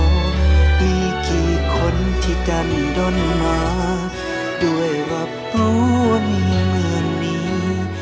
มีกี่คนที่กันด้อนมาด้วยรับรู้ว่ามีมีมี